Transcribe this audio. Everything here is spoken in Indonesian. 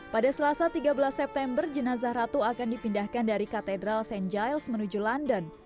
pada selasa tiga belas september jenazah ratu akan dipindahkan dari katedral st giles menuju london